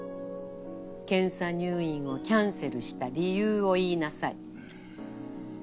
検査入院をキャンセルした理由を言いなさい。